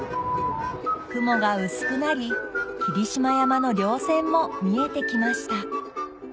雲が薄くなり霧島山の稜線も見えてきました